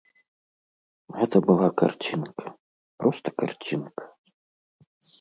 Гэта была карцінка, проста карцінка.